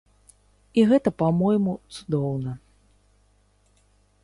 І гэта, па-мойму, цудоўна.